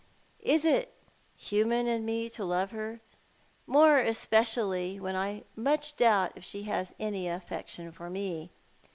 Is it human in me to love her? More especially when I much doubt if she has any affection for me?